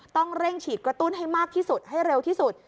ต้องเร่งฉีดกระตุ้นให้มากที่สุดให้เร็วที่สุด